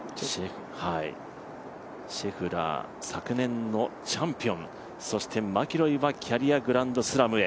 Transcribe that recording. シェフラー、昨年のチャンピオンそしてマキロイはキャリアグランドスラムへ。